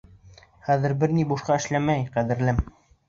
Хәҙер бер ни бушҡа эшләнмәй, ҡәҙерлем.